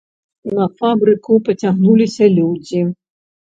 На фабрыку пацягнуліся людзі.